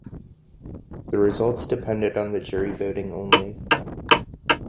The results depended on the jury voting only.